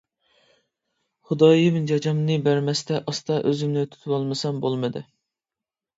خۇدايىم جاجامنى بەرمەستە ئاستا ئۆزۈمنى تۇتۇۋالمىسام بولمىدى.